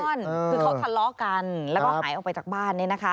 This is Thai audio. คือเขาทะเลาะกันแล้วก็หายออกไปจากบ้าน